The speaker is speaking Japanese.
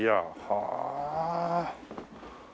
はあ。